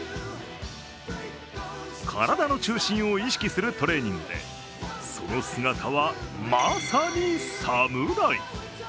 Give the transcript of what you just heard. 体の中心を意識するトレーニングでその姿は、まさに侍。